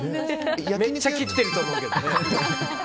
めっちゃ切ってると思うけどね。